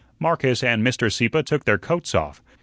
Marcus and Mr. Sieppe took their coats off.